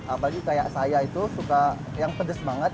apalagi kayak saya itu suka yang pedes banget